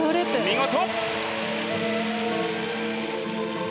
見事！